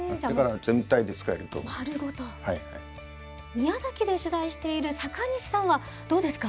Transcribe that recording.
宮崎で取材している坂西さんはどうですか？